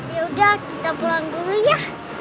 yaudah kita pulang dulu ya